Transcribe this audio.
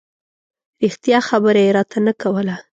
رښتیا خبره یې راته نه کوله.